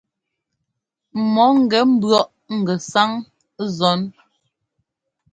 Mɔ ńgɛ ḿbʉ̈ɔʼ ŋgɛsáŋ zɔn.